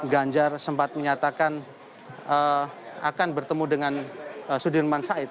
ganjar sempat menyatakan akan bertemu dengan sudirman said